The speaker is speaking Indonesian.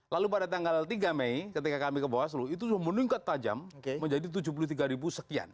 lalu pada tanggal tiga mei ketika kami ke bawaslu itu meningkat tajam menjadi tujuh puluh tiga ribu sekian